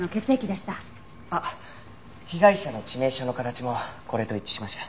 あっ被害者の致命傷の形もこれと一致しました。